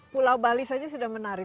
pulau bali saja sudah menarik